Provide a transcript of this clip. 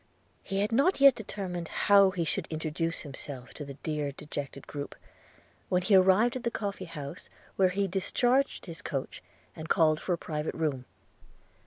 He had not yet determined how he should introduce himself to the dear dejected group, when he arrived at the coffee house, where he discharged his coach, and called for a private room.